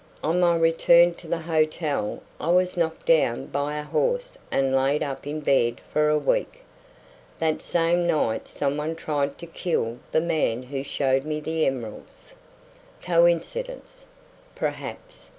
On my return to the hotel I was knocked down by a horse and laid up in bed for a week. That same night someone tried to kill the man who showed me the emeralds. Coincidence? Perhaps.